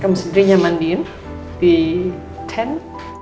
kamu sendiri nyamandiin di tent